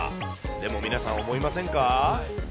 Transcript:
でも皆さん、思いませんか？